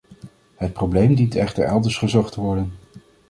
Het probleem dient echter elders gezocht te worden.